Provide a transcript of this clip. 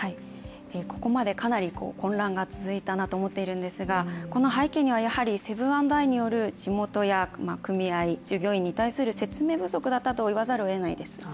ここまでかなり混乱が続いたなと思っているんですがこの背景にはやはりセブン＆アイによる地元や組合、従業員に対する説明不足だったと言わざるをえないです。